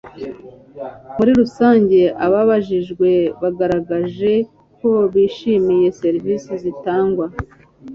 muri rusange ababajijwe bagaragaje ko bishimiye serivisi zitangwa